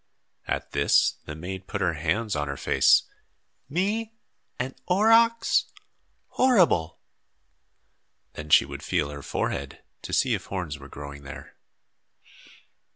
At this, the maid put up her hands to her face. "Me an aurochs! Horrible!" Then she would feel her forehead to see if horns were growing there.